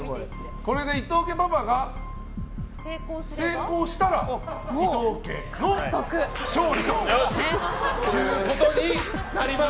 これで伊藤家パパが成功したら伊藤家の勝利ということになります。